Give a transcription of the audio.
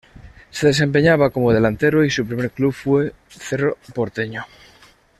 Se desempeñaba como delantero y su primer club fue Cerro Porteño.